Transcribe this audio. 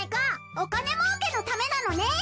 お金もうけのためなのね。